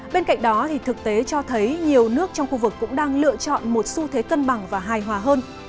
bên cạnh đó thực tế cho thấy nhiều nước trong khu vực cũng đang lựa chọn một xu thế cân bằng và hài hòa hơn